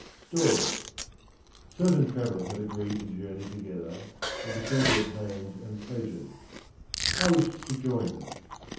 Story. Certain travellers had agreed to journey together, and to share their pains and pleasures. I wished to join them.